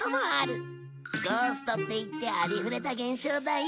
ゴーストっていってありふれた現象だよ。